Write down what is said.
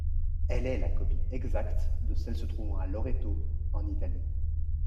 Elle est la copie exacte de celle se trouvant à Loreto en Italie.